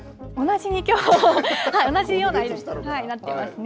同じような色になってますね。